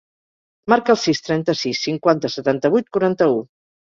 Marca el sis, trenta-sis, cinquanta, setanta-vuit, quaranta-u.